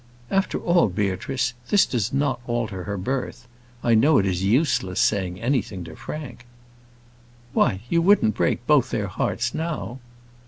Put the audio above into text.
"After all, Beatrice, this does not alter her birth. I know it is useless saying anything to Frank." "Why, you wouldn't break both their hearts now?"